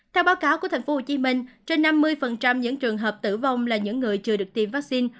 theo báo cáo của thành phố hồ chí minh trên năm mươi những trường hợp tử vong là những người chưa được tiêm vaccine